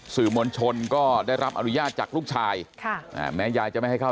สื่อมวลชนก็ได้รับอนุญาตจากลูกชายแม้ยายจะไม่ให้เข้า